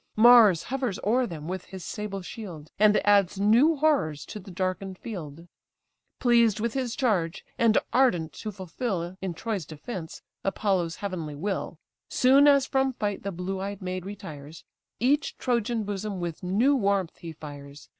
Mars hovers o'er them with his sable shield, And adds new horrors to the darken'd field: Pleased with his charge, and ardent to fulfil, In Troy's defence, Apollo's heavenly will: Soon as from fight the blue eyed maid retires, Each Trojan bosom with new warmth he fires.